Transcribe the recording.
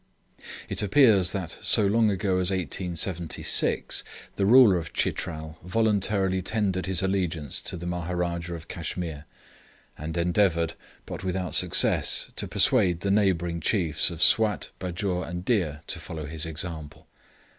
It appears that so long ago as 1876 the ruler of Chitral voluntarily tendered his allegiance to the Maharajah of Cashmere, and endeavoured, but without success, to persuade the neighbouring chiefs of Swat, Bajour, and Dir, to follow his example.